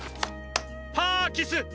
パーキスッ！